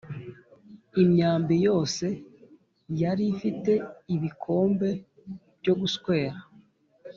imyambi yose yari ifite ibikombe byo guswera